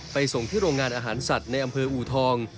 ส่งที่โรงงานอาหารสัตว์ในอำเภออูทอง